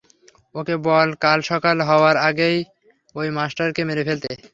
ওকে বল কাল সকাল হওয়ার আগেই ওই মাস্টারকে মেরে ফেলতে।